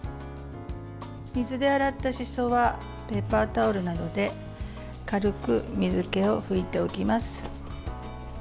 水で洗ったしそはペーパータオルなどで軽く水けを拭いておきます。